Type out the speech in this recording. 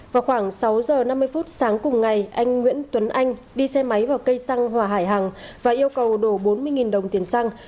vào khoảng sáu giờ năm mươi phút sáng cùng ngày anh nguyễn tuấn anh đi xe máy vào cây xăng hòa hải hằng và yêu cầu đổ bốn mươi đồng tiền xăng